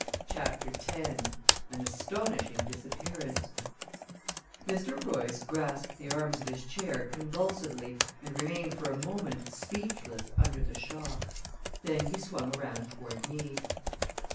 CHAPTER X An Astonishing Disappearance Mr. Royce grasped the arms of his chair convulsively, and remained for a moment speechless under the shock. Then he swung around toward me.